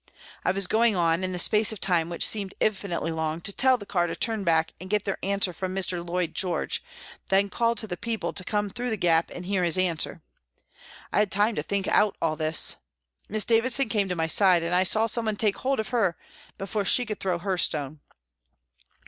I was going on, in the space of time which seemed infinitely long, to tell the car to turn back and get their answer from Mr. Lloyd George, then call to the people to come through the gap and hear his answer. I had time to think out all this. Miss Davison came to my side, and I saw someone take hold of her before she could throw her stone.